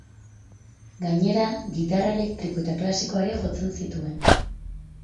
Gainera, gitarra elektriko eta klasikoa ere jotzen zituen.